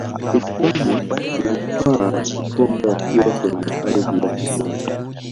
hispania ilitwaa kikombe wakiwa kwenye ardhi ya nyumbani